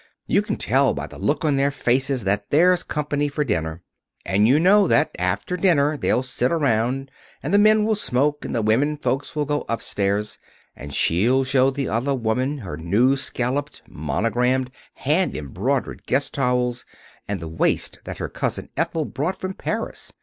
You can tell by the look on their faces that there's company for dinner. And you know that after dinner they'll sit around, and the men will smoke, and the women folks will go upstairs, and she'll show the other woman her new scalloped, monogrammed, hand embroidered guest towels, and the waist that her cousin Ethel brought from Paris.